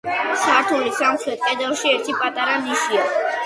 სართულის სამხრეთ კედელში ერთი პატარა ნიშია.